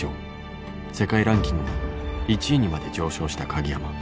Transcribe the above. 世界ランキングも１位にまで上昇した鍵山。